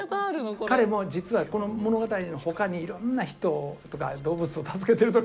彼も実はこの物語のほかにいろんな人とか動物を助けてると勝手に想像してるんです。